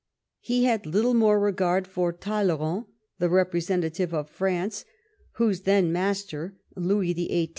He had little more regard for Talleyrand, the representa tive of France, whose then master, Louis XVIH.